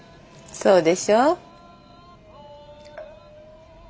そうでしょう？